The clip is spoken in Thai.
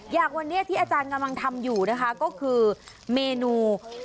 อย่างวันนี้ที่อาจารย์กำลังทำอยู่นะคะก็คือเมนู